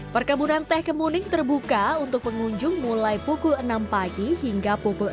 perkebunan teh kemuning terbuka untuk pengunjung mulai pukul enam pagi hingga pukul enam